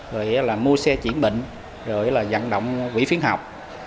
rồi là mua xe chuyển bệnh rồi là dặn động quỹ phiên học